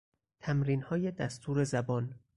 تمرینهای دستور زبان